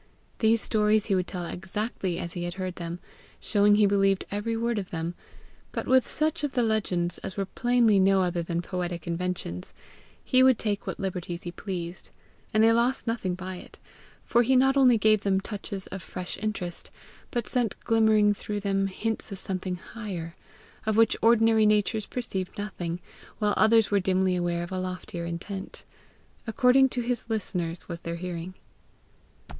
These stories he would tell exactly as he had heard them, showing he believed every word of them; but with such of the legends as were plainly no other than poetic inventions, he would take what liberties he pleased and they lost nothing by it; for he not only gave them touches of fresh interest, but sent glimmering through them hints of something higher, of which ordinary natures perceived nothing, while others were dimly aware of a loftier intent: according to his listeners was their hearing.